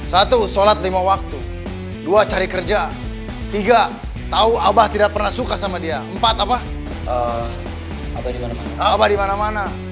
satu sholat lima waktu dua cari kerja tiga tahu abah tidak pernah suka sama dia empat apa